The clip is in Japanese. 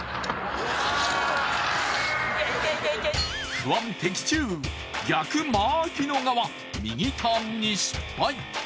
不安的中、逆まきの側、右ターンに失敗。